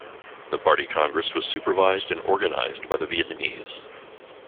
The Party Congress was supervised and organized by the Vietnamese.